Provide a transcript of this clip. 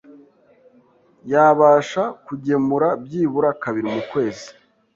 yabasha kugemura byibura kabiri mu kwezi